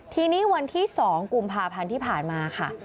ทีนี้วันที่๒กุมภาพันธ์ที่ผ่านมาค่ะ